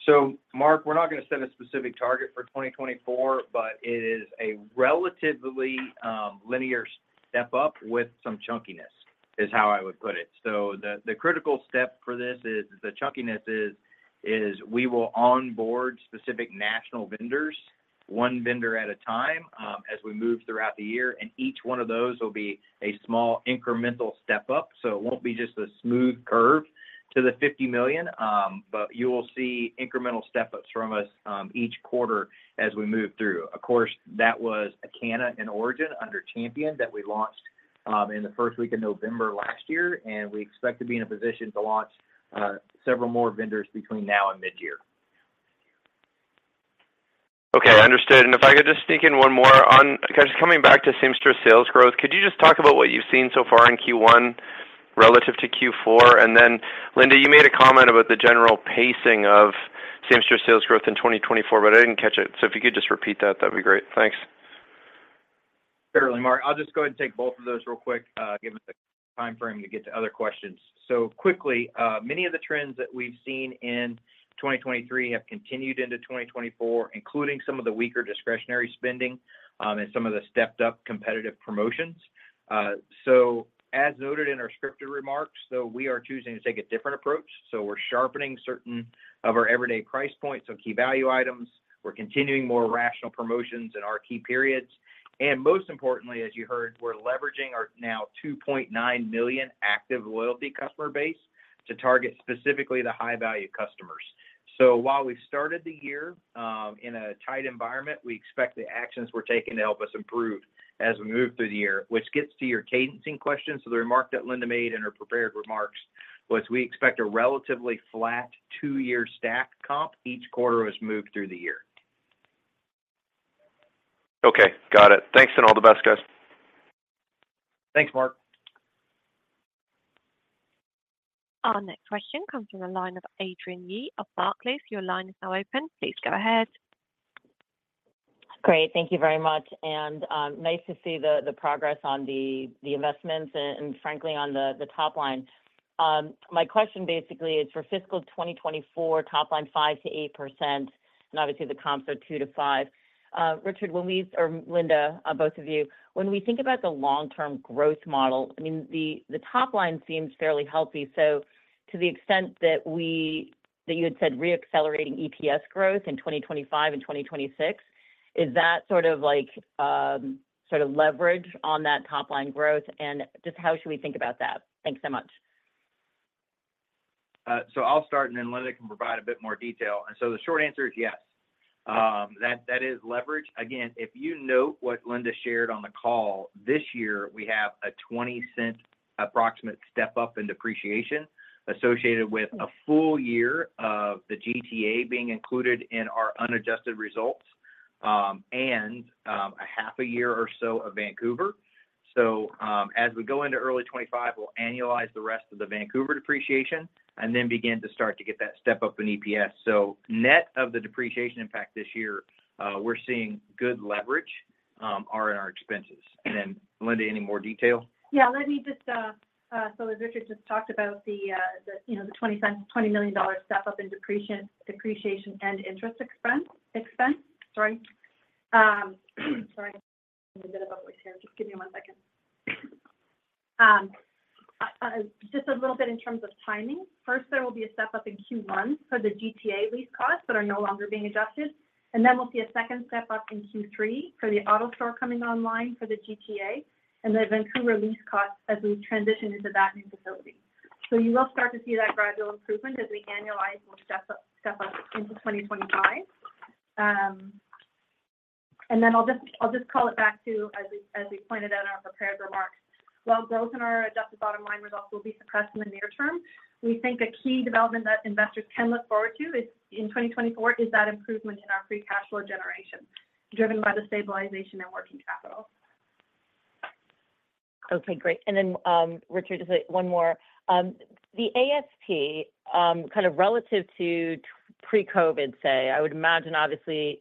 So Mark, we're not going to set a specific target for 2024, but it is a relatively linear step up with some chunkiness is how I would put it. So the critical step for this is the chunkiness is we will onboard specific national vendors, one vendor at a time as we move throughout the year. And each one of those will be a small incremental step up. So it won't be just a smooth curve to the 50 million, but you will see incremental step-ups from us each quarter as we move through. Of course, that was ACANA and ORIJEN under Champion that we launched in the first week of November last year, and we expect to be in a position to launch several more vendors between now and mid-year. Okay. Understood. And if I could just sneak in one more on just coming back to same-store sales growth, could you just talk about what you've seen so far in Q1 relative to Q4? And then, Glen, you made a comment about the general pacing of same-store sales growth in 2024, but I didn't catch it. So if you could just repeat that, that'd be great. Thanks. Surely, Mark. I'll just go ahead and take both of those real quick given the time frame to get to other questions. So quickly, many of the trends that we've seen in 2023 have continued into 2024, including some of the weaker discretionary spending and some of the stepped-up competitive promotions. So as noted in our scripted remarks, though, we are choosing to take a different approach. So we're sharpening certain of our everyday price points of key value items. We're continuing more rational promotions in our key periods. And most importantly, as you heard, we're leveraging our now 2.9 million active loyalty customer base to target specifically the high-value customers. So while we've started the year in a tight environment, we expect the actions we're taking to help us improve as we move through the year, which gets to your cadencing question. So the remark that Linda made in her prepared remarks was we expect a relatively flat two-year stack comp each quarter as we move through the year. Okay. Got it. Thanks and all the best, guys. Thanks, Mark. Our next question comes from the line of Adrienne Yih of Barclays. Your line is now open. Please go ahead. Great. Thank you very much. And nice to see the progress on the investments and, frankly, on the top line. My question basically is for fiscal 2024, top line 5%-8%, and obviously, the comps are 2%-5%. Richard, when we or Linda, both of you, when we think about the long-term growth model, I mean, the top line seems fairly healthy. So to the extent that you had said reaccelerating EPS growth in 2025 and 2026, is that sort of leverage on that top line growth? And just how should we think about that? Thanks so much. So I'll start, and then Linda can provide a bit more detail. And so the short answer is yes. That is leverage. Again, if you note what Linda shared on the call, this year, we have a 0.20 approximate step up in depreciation associated with a full year of the GTA being included in our unadjusted results and a half a year or so of Vancouver. So as we go into early 2025, we'll annualize the rest of the Vancouver depreciation and then begin to start to get that step up in EPS. So net of the depreciation impact this year, we're seeing good leverage in our expenses. And then, Linda, any more detail? Yeah. So as Richard just talked about the 20 million dollars step up in depreciation and interest expense, sorry. Sorry. I'm in a bit of a voice here. Just give me one second. Just a little bit in terms of timing. First, there will be a step up in Q1 for the GTA lease costs that are no longer being adjusted. And then we'll see a second step up in Q3 for the AutoStore coming online for the GTA and the Vancouver lease costs as we transition into that new facility. So you will start to see that gradual improvement as we annualize and step up into 2025. And then I'll just call it back to, as we pointed out in our prepared remarks, while growth in our adjusted bottom line results will be suppressed in the near term, we think a key development that investors can look forward to in 2024 is that improvement in our free cash flow generation driven by the stabilization in working capital. Okay. Great. And then, Richard, just one more. The ASP, kind of relative to pre-COVID, say, I would imagine, obviously,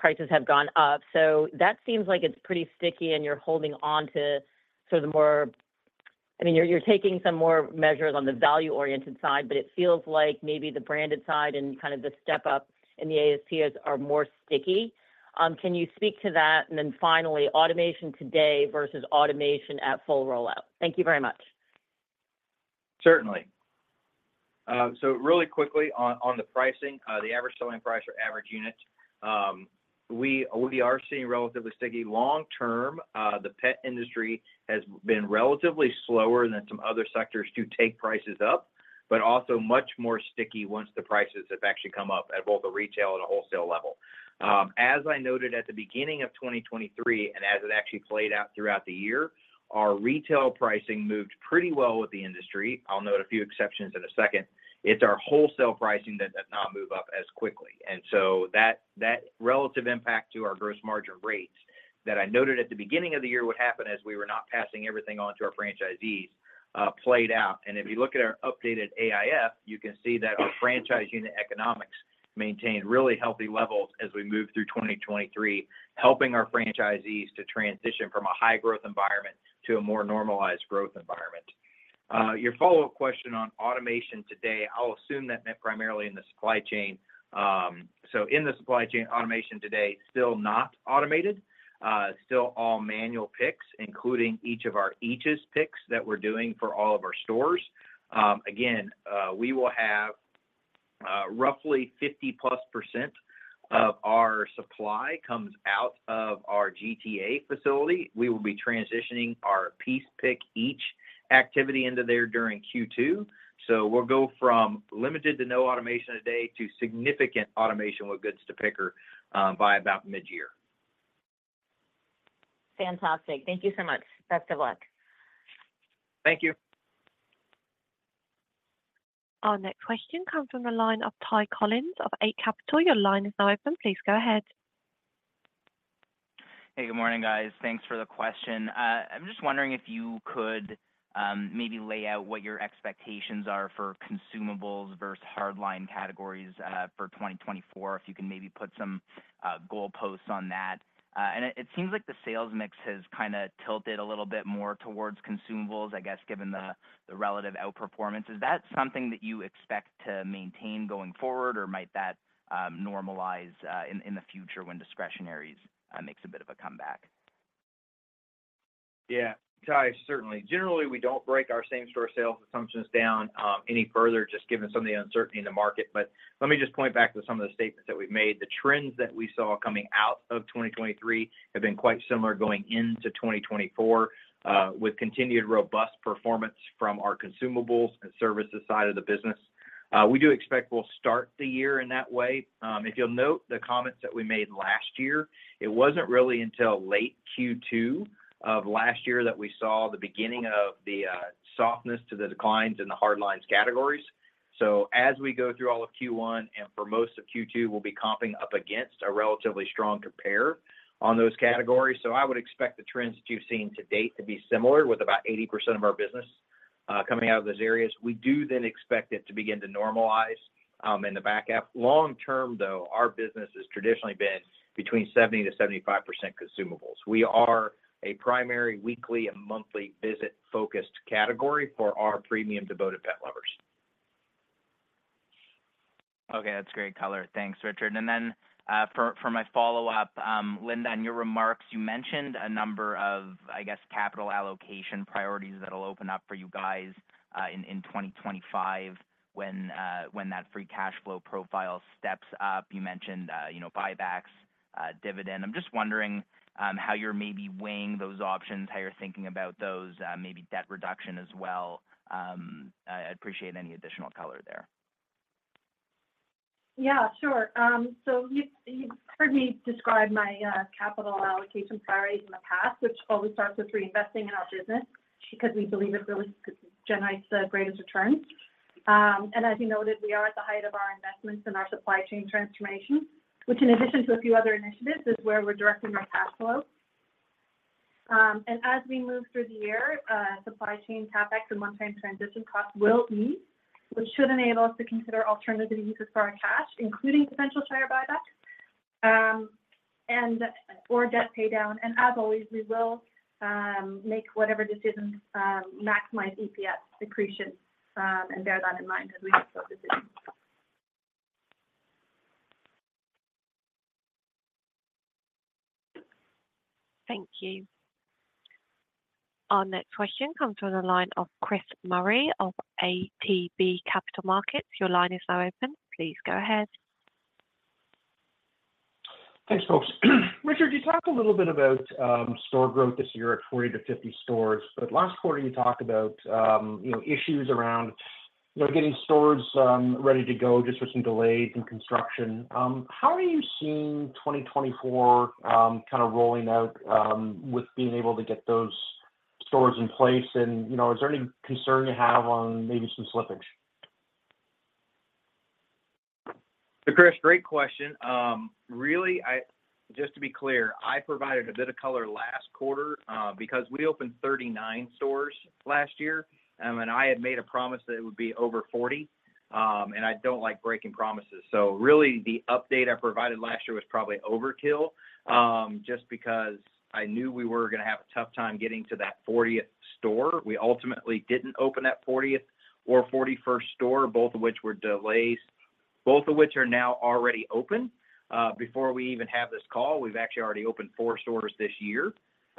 prices have gone up. So that seems like it's pretty sticky, and you're holding on to sort of the more—I mean, you're taking some more measures on the value-oriented side, but it feels like maybe the branded side and kind of the step up in the ASPs are more sticky. Can you speak to that? And then finally, automation today versus automation at full rollout. Thank you very much. Certainly. So really quickly on the pricing, the average selling price or average unit, we are seeing relatively sticky. Long-term, the pet industry has been relatively slower than some other sectors to take prices up, but also much more sticky once the prices have actually come up at both a retail and a wholesale level. As I noted at the beginning of 2023 and as it actually played out throughout the year, our retail pricing moved pretty well with the industry. I'll note a few exceptions in a second. It's our wholesale pricing that did not move up as quickly. And so that relative impact to our gross margin rates that I noted at the beginning of the year would happen as we were not passing everything on to our franchisees played out. And if you look at our updated AIF, you can see that our franchise unit economics maintained really healthy levels as we moved through 2023, helping our franchisees to transition from a high-growth environment to a more normalized growth environment. Your follow-up question on automation today, I'll assume that meant primarily in the supply chain. So in the supply chain, automation today still not automated, still all manual picks, including each of our ACEs picks that we're doing for all of our stores. Again, we will have roughly 50+% of our supply comes out of our GTA facility. We will be transitioning our piece pick ACE activity into there during Q2. So we'll go from limited to no automation today to significant automation with goods-to-person by about mid-year. Fantastic. Thank you so much. Best of luck. Thank you. Our next question comes from the line of Ty Collin of Eight Capital. Your line is now open. Please go ahead. Hey. Good morning, guys. Thanks for the question. I'm just wondering if you could maybe lay out what your expectations are for consumables versus hardlines categories for 2024, if you can maybe put some goal posts on that. It seems like the sales mix has kind of tilted a little bit more towards consumables, I guess, given the relative outperformance. Is that something that you expect to maintain going forward, or might that normalize in the future when discretionaries makes a bit of a comeback? Yeah. Ty, certainly. Generally, we don't break our same-store sales assumptions down any further just given some of the uncertainty in the market. But let me just point back to some of the statements that we've made. The trends that we saw coming out of 2023 have been quite similar going into 2024 with continued robust performance from our consumables and services side of the business. We do expect we'll start the year in that way. If you'll note the comments that we made last year, it wasn't really until late Q2 of last year that we saw the beginning of the softness to the declines in the Hardlines categories. So as we go through all of Q1 and for most of Q2, we'll be comping up against a relatively strong compare on those categories. So I would expect the trends that you've seen to date to be similar with about 80% of our business coming out of those areas. We do then expect it to begin to normalize in the back half. Long term, though, our business has traditionally been between 70%-75% consumables. We are a primary weekly and monthly visit-focused category for our premium devoted pet lovers. Okay. That's great color. Thanks, Richard. Then for my follow-up, Glen, in your remarks, you mentioned a number of, I guess, capital allocation priorities that will open up for you guys in 2025 when that free cash flow profile steps up. You mentioned buybacks, dividend. I'm just wondering how you're maybe weighing those options, how you're thinking about those, maybe debt reduction as well. I appreciate any additional color there. Yeah. Sure. So you've heard me describe my capital allocation priorities in the past, which always starts with reinvesting in our business because we believe it really generates the greatest returns. And as you noted, we are at the height of our investments in our supply chain transformation, which, in addition to a few other initiatives, is where we're directing our cash flow. As we move through the year, supply chain CapEx and one-time transition costs will ease, which should enable us to consider alternative uses for our cash, including potential share buybacks or debt paydown. As always, we will make whatever decisions maximize EPS depreciation and bear that in mind as we make those decisions. Thank you. Our next question comes from the line of Chris Murray of ATB Capital Markets. Your line is now open. Please go ahead. Thanks, folks. Richard, you talked a little bit about store growth this year at 40-50 stores, but last quarter, you talked about issues around getting stores ready to go just with some delays in construction. How are you seeing 2024 kind of rolling out with being able to get those stores in place? And is there any concern you have on maybe some slippage? So Chris, great question. Really, just to be clear, I provided a bit of color last quarter because we opened 39 stores last year, and I had made a promise that it would be over 40. I don't like breaking promises. Really, the update I provided last year was probably overkill just because I knew we were going to have a tough time getting to that 40th store. We ultimately didn't open that 40th or 41st store, both of which were delays, both of which are now already open. Before we even have this call, we've actually already opened 4 stores this year.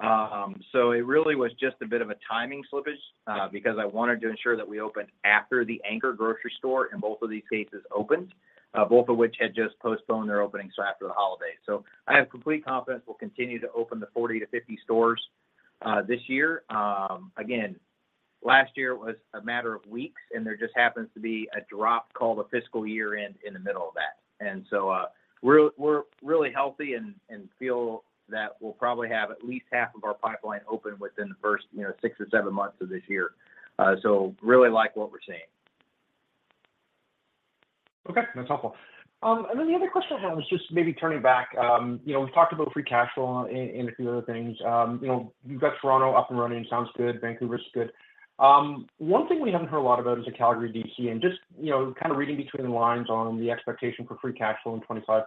It really was just a bit of a timing slippage because I wanted to ensure that we opened after the Anchor grocery store in both of these cases opened, both of which had just postponed their opening so after the holidays. So I have complete confidence we'll continue to open the 40-50 stores this year. Again, last year was a matter of weeks, and there just happens to be a drop called a fiscal year-end in the middle of that. And so we're really healthy and feel that we'll probably have at least half of our pipeline open within the first 6 or 7 months of this year. So really like what we're seeing. Okay. That's helpful. And then the other question I have is just maybe turning back. We've talked about free cash flow and a few other things. You've got Toronto up and running. Sounds good. Vancouver's good. One thing we haven't heard a lot about is the Calgary DC. And just kind of reading between the lines on the expectation for free cash flow in 2025,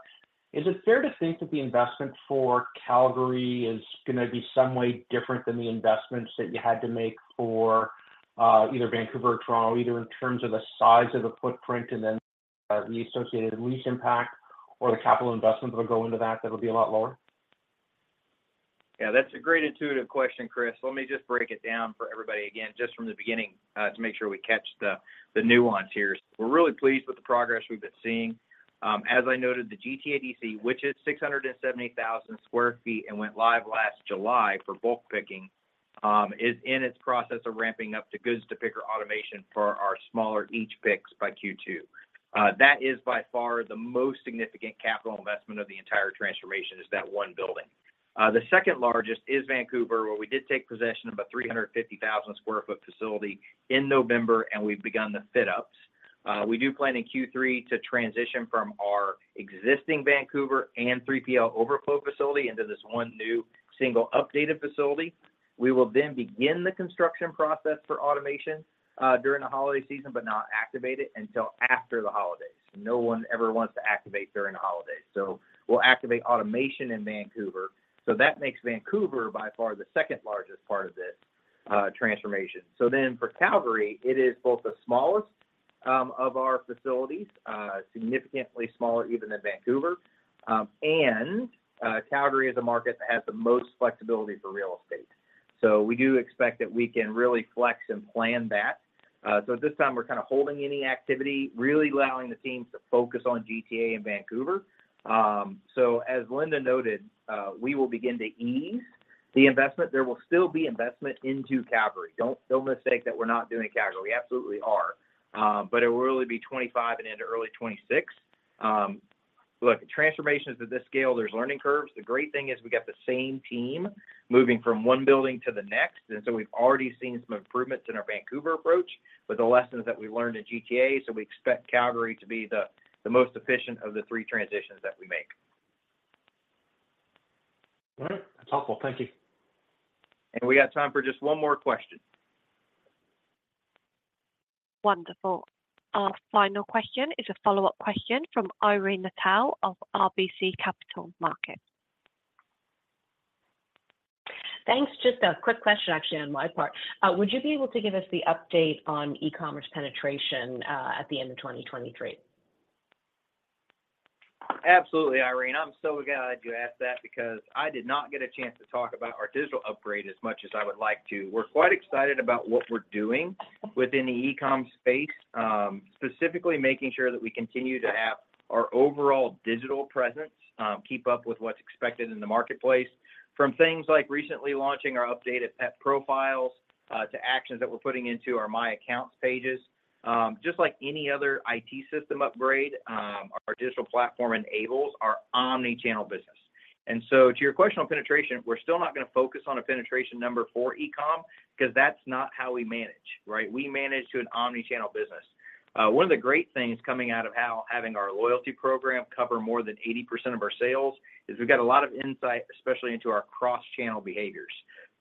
is it fair to think that the investment for Calgary is going to be some way different than the investments that you had to make for either Vancouver or Toronto, either in terms of the size of the footprint and then the associated lease impact or the capital investments that will go into that that will be a lot lower? Yeah. That's a great intuitive question, Chris. Let me just break it down for everybody again just from the beginning to make sure we catch the nuance here. We're really pleased with the progress we've been seeing. As I noted, the GTA DC, which is 670,000 sq ft and went live last July for bulk picking, is in its process of ramping up to goods-to-person automation for our smaller each picks by Q2. That is by far the most significant capital investment of the entire transformation, is that one building. The second largest is Vancouver, where we did take possession of a 350,000 sq ft facility in November, and we've begun the fit-ups. We do plan in Q3 to transition from our existing Vancouver and 3PL overflow facility into this one new single updated facility. We will then begin the construction process for automation during the holiday season but not activate it until after the holidays. No one ever wants to activate during the holidays. So we'll activate automation in Vancouver. So that makes Vancouver by far the second largest part of this transformation. So then for Calgary, it is both the smallest of our facilities, significantly smaller even than Vancouver. And Calgary is a market that has the most flexibility for real estate. So we do expect that we can really flex and plan that. So at this time, we're kind of holding any activity, really allowing the teams to focus on GTA and Vancouver. So as Linda noted, we will begin to ease the investment. There will still be investment into Calgary. Don't mistake that we're not doing Calgary. We absolutely are. But it will really be 2025 and into early 2026. Look, transformations of this scale, there's learning curves. The great thing is we got the same team moving from one building to the next. And so we've already seen some improvements in our Vancouver approach with the lessons that we learned in GTA. So we expect Calgary to be the most efficient of the three transitions that we make. A ll right. That's helpful. Thank you. And we got time for just one more question. Wonderful. Our final question is a follow-up question from Irene Nattel of RBC Capital Markets. Thanks. Just a quick question, actually, on my part. Would you be able to give us the update on e-commerce penetration at the end of 2023? Absolutely, Irene. I'm so glad you asked that because I did not get a chance to talk about our digital upgrade as much as I would like to. We're quite excited about what we're doing within the e-com space, specifically making sure that we continue to have our overall digital presence, keep up with what's expected in the marketplace, from things like recently launching our updated pet profiles to actions that we're putting into our My Accounts pages. Just like any other IT system upgrade, our digital platform enables our omnichannel business. To your question on penetration, we're still not going to focus on a penetration number for e-com because that's not how we manage, right? We manage to an omnichannel business. One of the great things coming out of having our loyalty program cover more than 80% of our sales is we've got a lot of insight, especially into our cross-channel behaviors.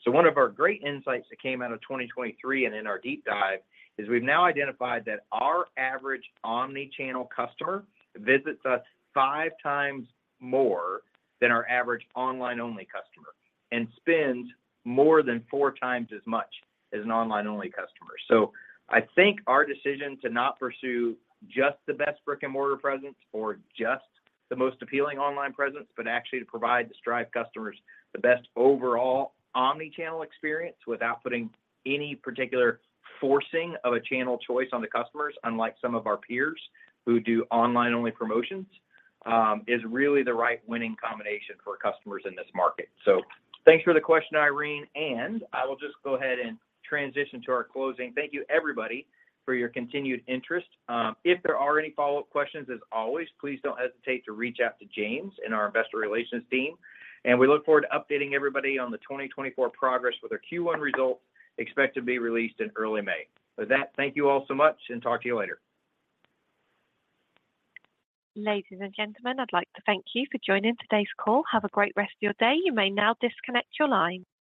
One of our great insights that came out of 2023 and in our deep dive is we've now identified that our average omnichannel customer visits us five times more than our average online-only customer and spends more than four times as much as an online-only customer. So I think our decision to not pursue just the best brick-and-mortar presence or just the most appealing online presence, but actually to provide the store customers the best overall omnichannel experience without putting any particular forcing of a channel choice on the customers, unlike some of our peers who do online-only promotions, is really the right winning combination for customers in this market. So thanks for the question, Irene. And I will just go ahead and transition to our closing. Thank you, everybody, for your continued interest. If there are any follow-up questions, as always, please don't hesitate to reach out to James and our investor relations team. And we look forward to updating everybody on the 2024 progress with our Q1 results expected to be released in early May. With that, thank you all so much, and talk to you later. Ladies and gentlemen, I'd like to thank you for joining today's call. Have a great rest of your day. You may now disconnect your line.